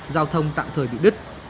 giao thông tạm thời bị đứt